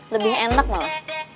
lebih enak malah